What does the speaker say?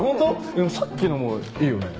でもさっきのもいいよね？